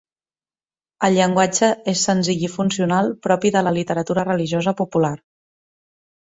El llenguatge és senzill i funcional propi de la literatura religiosa popular.